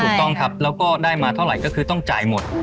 ถูกต้องครับแล้วก็ได้มาเท่าไหร่ก็คือต้องจ่ายหมด